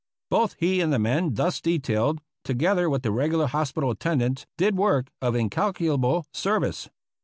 Both he and the men thus detailed, together with the reg ular hospital attendants, did work of incalculable service.